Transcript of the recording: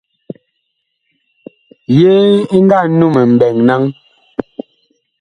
Yee ɛ nga num mɓɛɛŋ naŋ ?